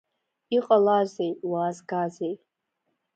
Иҟалазеи, уаазгазеи?